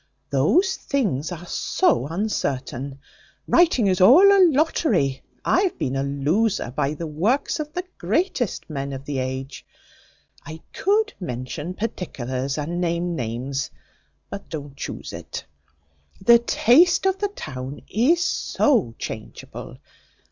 Those things are so uncertain Writing is all a lottery I have been a loser by the works of the greatest men of the age I could mention particulars, and name names; but don't choose it The taste of the town is so changeable.